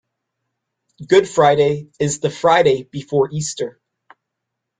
Good Friday is the Friday before Easter.